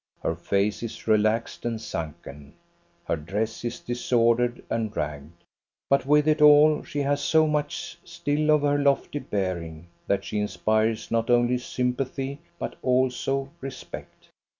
Her face is relaxed and sunken, her dress is disordered and ragged. But with it all she has so much still of her lofty bearing that she inspires not only sympathy, but also respect.